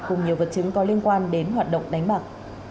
cùng nhiều vật chứng có liên quan đến hoạt động đánh bạc